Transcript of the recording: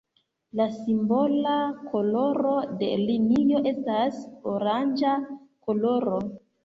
La simbola koloro de linio estas oranĝa koloro.